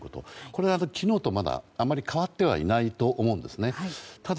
これは昨日とあまり変わってはいないと思うんですね。